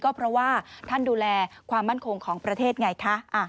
ก็เพราะว่าท่านดูแลความมั่นคงของประเทศไงคะ